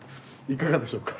いかがでしょうか？